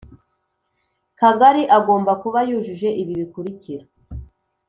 Kagari agomba kuba yujuje ibi bikurikira